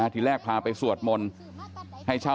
ทีแรกพาไปสวดมนตร์